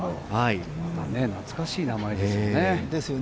懐かしい名前ですよね。